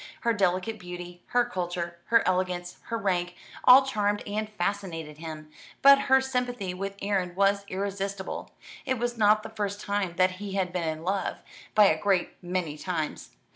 Her delicate beauty, her culture, her elegance, her rank, all charmed and fascinated him; but her sympathy with Erin was irresistible. It was not the first time that he had been in love, by a great many times.